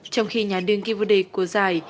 trong khi nhà đương kivudek của giải